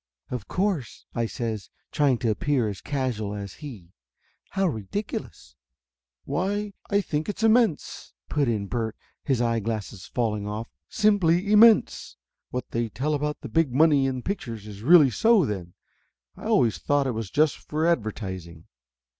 "Of course!" I says, trying to appear as casual as he. "How ridiculous!" "Why, I think it's immense!" put in Bert, his eye glasses falling off. "Simply immense! What they 24 Laughter Limited tell about the big money in pictures is really so, then? I always thought it was just for advertising!"